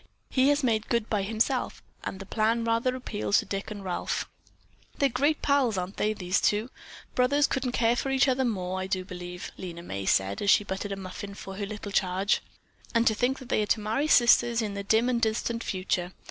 He has made good by himself, and the plan rather appeals to Dick and Ralph." "They're great pals, aren't they, these two? Brothers couldn't care more for each other, I do believe," Lena May said, as she buttered a muffin for her little charge. "And to think that they are to marry sisters in the dim and distant future.